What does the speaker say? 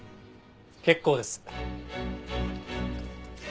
結構です。